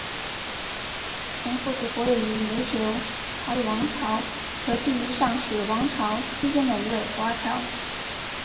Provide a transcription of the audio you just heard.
程复是活跃于琉球察度王朝和第一尚氏王朝期间的一位华侨。